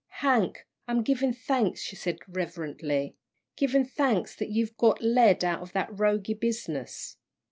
"Hank, I'm givin' thanks," she said, reverently, "givin' thanks that you've got led out of that roguey business."